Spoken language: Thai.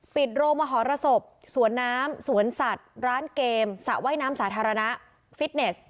ปิดโรงมหรสบสวนน้ำสวนสัตว์ร้านเกมสระว่ายน้ำสาธารณะฟิตเนส